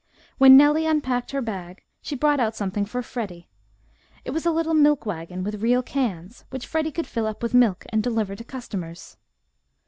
When Nellie unpacked her bag she brought out something for Freddie. It was a little milk wagon, with real cans, which Freddie could fill up with "milk" and deliver to customers.